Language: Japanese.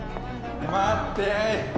待って！